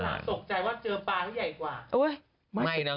สนใจว่าเจอปลาที่ใหญ่กว่า